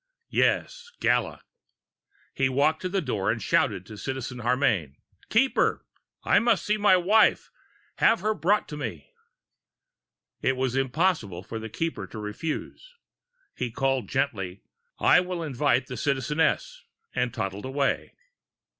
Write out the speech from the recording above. Yes, Gala. He walked to the door and shouted to Citizen Harmane: "Keeper! I must see my wife! Have her brought to me!" It was impossible for the Keeper to refuse. He called gently, "I will invite the Citizeness," and toddled away.